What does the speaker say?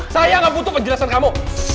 saya nggak butuh penjelasan kamu